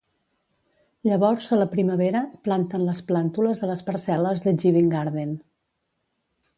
Llavors a la primavera, planten les plàntules a les parcel·les del Giving Garden.